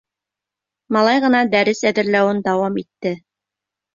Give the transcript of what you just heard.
Малай ғына дәрес әҙерләүен дауам итте.